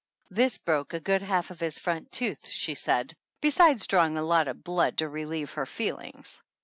This broke a good half of his front tooth, she said, besides drawing a lot of blood to relieve her feelings.